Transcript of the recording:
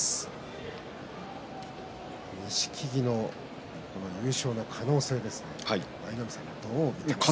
錦木の優勝の可能性ですが舞の海さん、どう見ていますか。